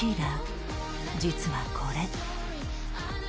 実はこれ